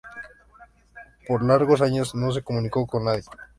Por largos años no se comunicó con nadie.